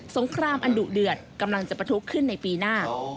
งครามอันดุเดือดกำลังจะประทุขึ้นในปีหน้า